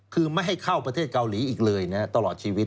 คือไม่ให้เข้าประเทศเกาหลีอีกเลยนะตลอดชีวิต